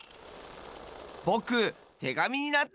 ぼくてがみになったんだよ！